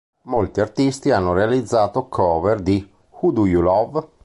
Molti artisti hanno realizzato cover di "Who Do You Love?